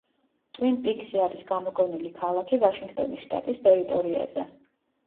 ტვინ პიქსი არის გამოგონილი ქალაქი ვაშინგტონის შტატის ტერიტორიაზე.